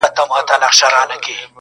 پر مُلا ئې يو چو دئ، جوړول ئې پر خداىدي.